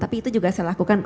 tapi itu juga saya lakukan